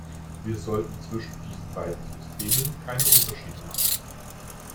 Wir sollten zwischen diesen beiden Systemen keine Unterschiede machen.